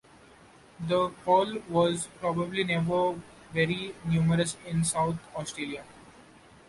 The quoll was probably never very numerous in South Australia.